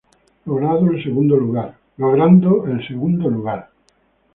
Logrando el Segundo Lugar.